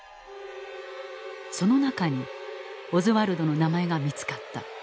その中にオズワルドの名前が見つかった。